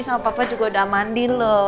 mama sudah mandi sama papa juga sudah mandi lho